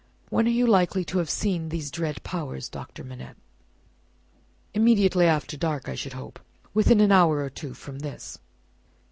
When are you likely to have seen these dread powers, Doctor Manette?" "Immediately after dark, I should hope. Within an hour or two from this."